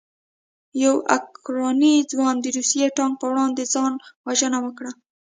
یو اوکراني ځوان د روسي ټانک په وړاندې ځان وژنه وکړه.